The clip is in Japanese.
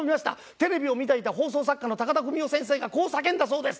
テレビを見ていた放送作家の高田文夫先生がこう叫んだそうです。